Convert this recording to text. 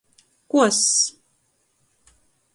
Kuoss.